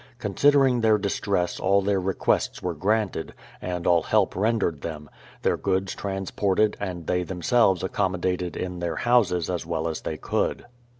Consider , ing their distress all their requests were granted, and all; help rendered them, — their goods transported and they themselves accommodated in their houses as well as they could.